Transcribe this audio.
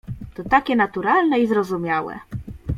"To takie naturalne i zrozumiałe."